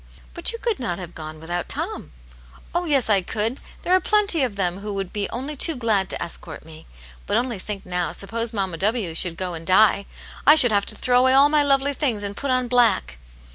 But you could not have gone without Tom." " Oh, yes, I could ! There are plenty of them who would be only too glad to escort me. But only think now, suppose Mamma W. should go and die ! I should have to throw away all my lovely things, and put on black."